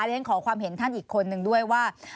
ฉันขอความเห็นท่านอีกคนนึงด้วยว่า